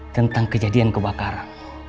tentang kejadian kebakaran